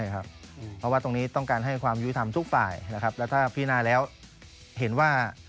เพราะว่าตรงนี้ต้องการให้ความยุติธรรมทุกฝ่ายนะครับแล้วถ้าพินาแล้วเห็นว่า